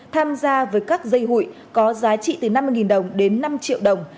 tham gia với các dây hụi có giá trị từ năm mươi đồng đến năm triệu đồng